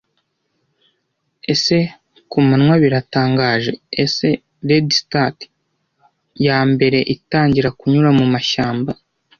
Ese kumanywa biratangaje? ese redstart yambere itangira kunyura mumashyamba?